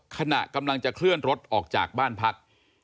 ขณะกำลังจะเคลื่อนรถออกจากบ้านพัก